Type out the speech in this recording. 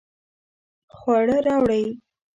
خواړه راوړئ